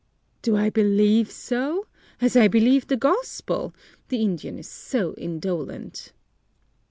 "Do I believe so? As I believe the Gospel! The Indian is so indolent!"